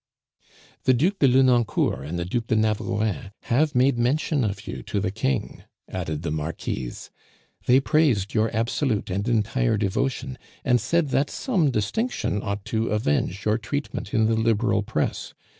"The Duc de Lenoncourt and the Duc de Navarreins have made mention of you to the King," added the Marquise; "they praised your absolute and entire devotion, and said that some distinction ought to avenge your treatment in the Liberal press.